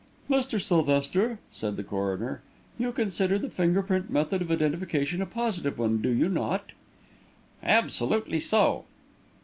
"Mr. Sylvester," said the coroner, "you consider the finger print method of identification a positive one, do you not?" "Absolutely so."